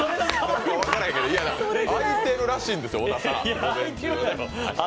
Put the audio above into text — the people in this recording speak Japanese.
空いてるらしいんです、小田さん、午前中。